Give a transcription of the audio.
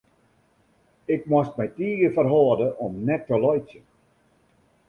Ik moast my tige ferhâlde om net te laitsjen.